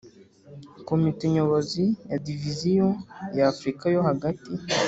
Komite nyobozi ya Diviziyo ya Afurika yo Hagati